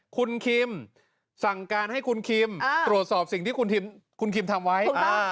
คุณคิมสั่งการให้คุณคิมตรวจสอบสิ่งที่คุณคิมทำไว้